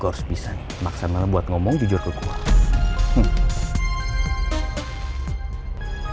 gue harus bisa nih maksimal buat ngomong jujur ke gue